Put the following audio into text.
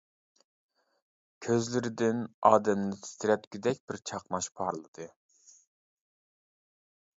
كۆزلىرىدىن ئادەمنى تىترەتكۈدەك بىر چاقناش پارلىدى.